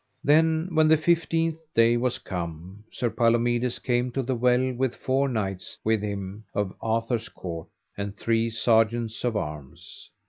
Then when the fifteenth day was come, Sir Palomides came to the well with four knights with him of Arthur's court, and three sergeants of arms.